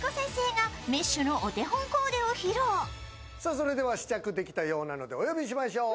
それでは試着できたようなのでお呼びしましょう。